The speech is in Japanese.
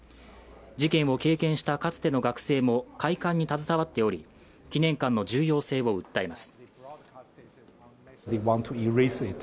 事件を経験したかつての学生も開館に携わっており、記念館の重要性を訴えます。